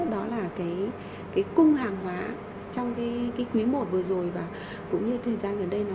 đó là cung hàng hóa